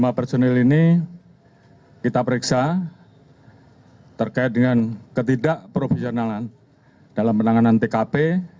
di mana dua puluh lima personel ini kita periksa terkait dengan ketidakprofesionalan dalam penanganan tkp